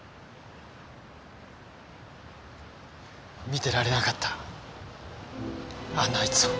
見てられなかったあんなあいつを。